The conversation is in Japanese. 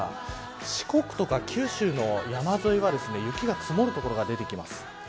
四国とか九州の山沿いは雪が積もる所が出てきます。